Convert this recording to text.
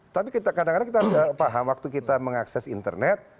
tapi kadang kadang kita paham waktu kita mengakses internet